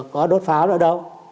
có đốt pháo nữa đâu